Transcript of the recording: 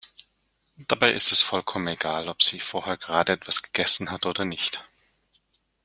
Dabei ist es vollkommen egal, ob sie vorher gerade etwas gegessen hat oder nicht.